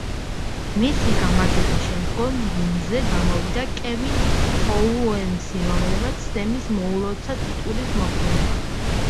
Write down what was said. მისი გამარჯვების შემდგომ რინგზე გამოვიდა კევინ ოუენსი, რომელმაც სემის მიულოცა ტიტულის მოპოვება.